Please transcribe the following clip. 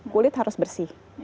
kulit harus bersih